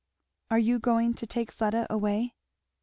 "Are you going to take Fleda away?"